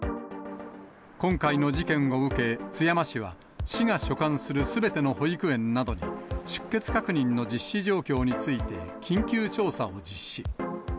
今回の事件を受け、津山市は、市が所管するすべての保育園などに、出欠確認の実施状況について緊急調査を実施。